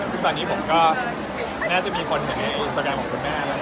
ซึ่งตอนนี้ผมก็แน่ใจจะมีคนเหมือนมันในการศักดิ์ของคุณแม่